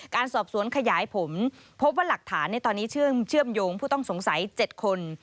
การสอบสวนขยายผมพบว่าหลักฐานในตอนนี้เชื่อมโยงผู้ต้องสงสัย๗คน